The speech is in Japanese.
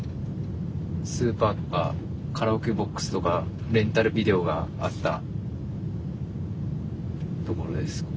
スーパーとかカラオケボックスとかレンタルビデオがあったところです